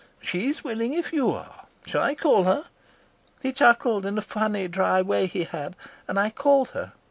'She's willing if you are. Shall I call her?' He chuckled in a funny, dry way he had, and I called her.